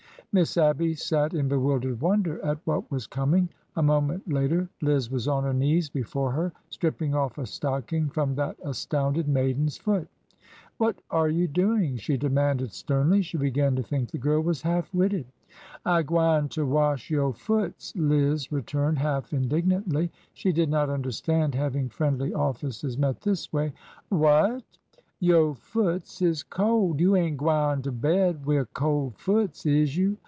Miss Abby sat in bewildered wonder at what was com ing. A moment later Liz was on her knees before her, stripping off a stocking from that astounded maiden's foot. What are you doing ?" she demanded sternly. She began to think the girl was half witted. I gwineter wash yo' foots," Liz returned, half indig nantly. She did not understand having friendly offices met this way. Whatf/^ '' Yo' foots is cold. You ain' gwine to bed wi' cold foots, is you?